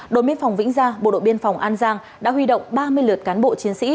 đội biên phòng vĩnh gia bộ đội biên phòng an giang đã huy động ba mươi lượt cán bộ chiến sĩ